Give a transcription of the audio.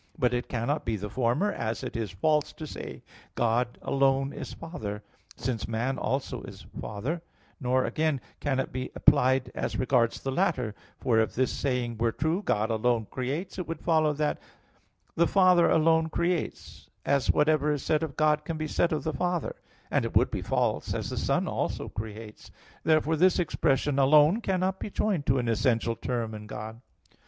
But it cannot be the former, as it is false to say, "God alone is Father," since man also is a father; nor, again, can it be applied as regards the latter, for, if this saying were true, "God alone creates," it would follow that the "Father alone creates," as whatever is said of God can be said of the Father; and it would be false, as the Son also creates. Therefore this expression "alone" cannot be joined to an essential term in God.